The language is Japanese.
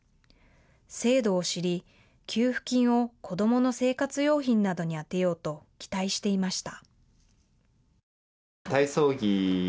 制度を知り、給付金を子どもの生活用品などに充てようと期待していました。